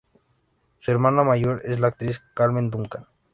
Su hermana mayor es la actriz Carmen Duncan.